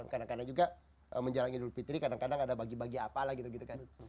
kadang kadang juga menjalankan idul fitri kadang kadang ada bagi bagi apa gitu